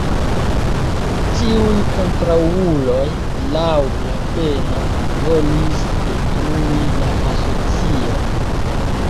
Tiuj kontraŭuloj laŭ Lapenna volis detrui la Asocion.